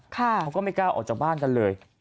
เขาก็ไม่กล้าออกจากบ้านกันเลย